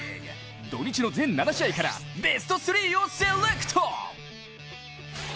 土日の全７試合からベスト３をセレクト！